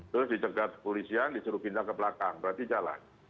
terus dicegat polisian disuruh pindah ke belakang berarti jalan